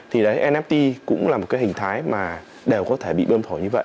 thì đấy nft cũng là một cái hình thái mà đều có thể bị bơm thổi như vậy